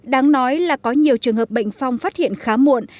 đáng nói là có nhiều trường hợp bệnh phong phát hiện khá muộn